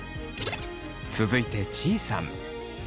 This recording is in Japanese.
続いてちいさん。